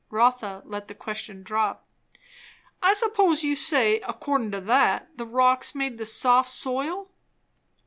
Rotha let the question drop. "I s'pose you'd say, accordin' to that, the rocks made the soft soil?"